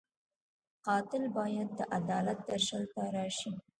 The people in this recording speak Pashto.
قاتل باید د عدالت درشل ته راشي